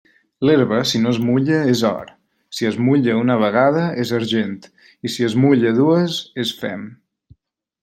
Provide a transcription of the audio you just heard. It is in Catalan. L'herba, si no es mulla, és or; si es mulla una vegada, és argent, i si es mulla dues, és fem.